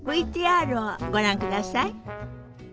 ＶＴＲをご覧ください。